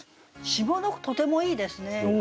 下の句とてもいいですね。